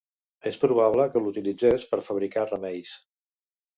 És probable que l'utilitzés per fabricar remeis.